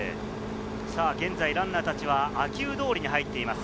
現在ランナーたちは秋保通に入っています。